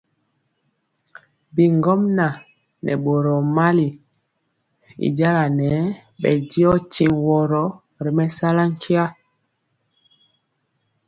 Bi ŋgomnaŋ nɛ boro mali, y jala nɛɛ bɛ diɔ tiŋg woro ri mɛsala ntira.